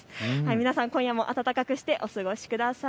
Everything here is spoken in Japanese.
皆さん今夜も暖かくしてお過ごしください。